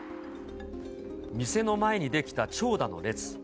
店の前に出来た長蛇の列。